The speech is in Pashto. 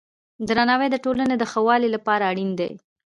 درناوی د ټولنې د ښه والي لپاره اړین دی.